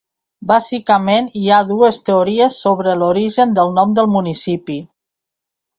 Bàsicament hi ha dues teories sobre l'origen del nom del municipi.